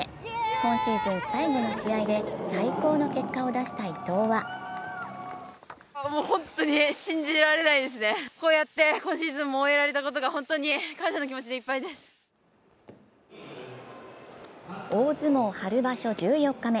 今シーズン最後の試合で最高の結果を出した伊藤は大相撲春場所１４日目。